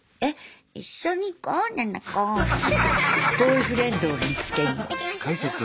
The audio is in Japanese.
ボーイフレンドを見つけに。